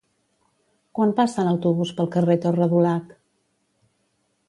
Quan passa l'autobús pel carrer Torre Dulac?